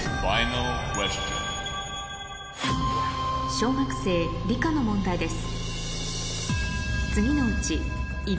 小学生理科の問題です